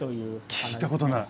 聞いたことない。